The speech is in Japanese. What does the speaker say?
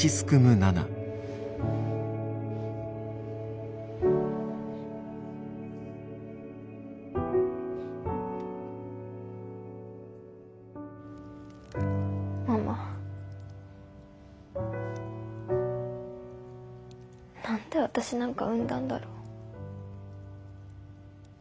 何で私なんか産んだんだろう。